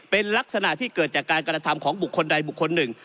เป็นลักษณะที่เกิดจากการกระทำของบุคคลใดบุคคลหนึ่ง